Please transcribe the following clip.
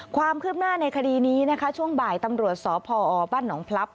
ความคืบหน้าในคดีนี้นะคะช่วงบ่ายตำรวจสพบ้านหนองพลับ